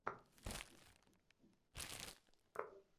আমি বললাম, জনাব, আমি অবশ্যই থাকব।